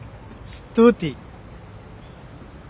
ストゥーティー？